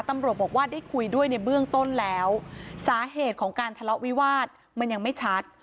ตำรวจบอกว่าได้คุยด้วยในเบื้องต้นแล้วสาเหตุของการทะเลาะวิวาสมันยังไม่ชัด